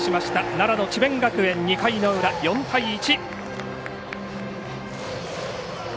奈良の智弁学園２回の裏４対１。